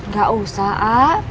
gak usah a